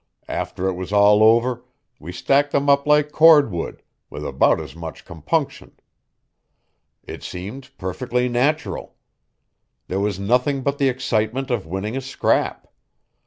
After it was all over, we stacked them up like cordwood with about as much compunction. It seemed perfectly natural. There was nothing but the excitement of winning a scrap.